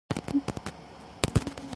The wannabe film noir is dumber than dumb.